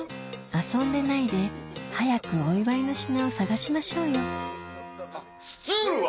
遊んでないで早くお祝いの品を探しましょうよスツールは？